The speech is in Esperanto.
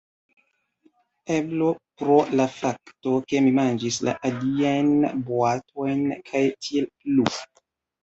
Eble pro la fakto, ke mi manĝis la aliajn boatojn kaj tiel plu.